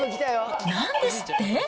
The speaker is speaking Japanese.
なんですって？